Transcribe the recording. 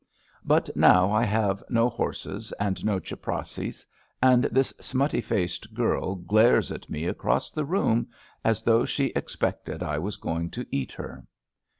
But now I have no horses and no chaprassis, and this smutty faced girl glares at me across the room as though she expected I was going to eat her.